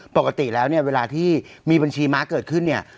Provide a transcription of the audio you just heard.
ปกติแล้วเวลาที่มีบัญชีม้าเกิดขึ้น